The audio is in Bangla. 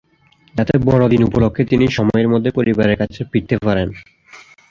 যাতে বড়দিন উপলক্ষে তিনি সময়ের মধ্যে পরিবারের কাছে ফিরতে পারেন।